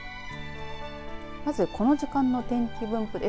まず、この時間の天気分布です。